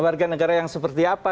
warga negara yang seperti apa